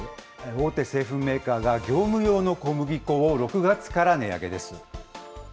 大手製粉メーカーが、業務用の小麦粉を６月から値上げです。